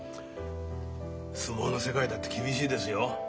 相撲の世界だって厳しいですよ。